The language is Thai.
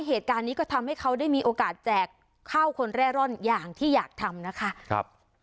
เหตุการณ์นี้ก็ทำให้เขาได้มีโอกาสแจกข้าวคนเร่ร่อนอย่างที่อยากทำนะคะครับ